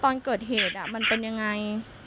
ตอนเกิดเหตุมันเป็นยังไง